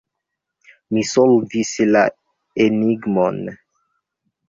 Mi solvis la enigmon.